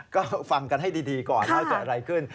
ก็ฟังกันให้ดีก่อนว่าเกิดอะไรขึ้น